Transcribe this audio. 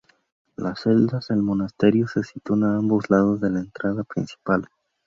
Las celdas del monasterio se sitúan a ambos lados de la entrada principal.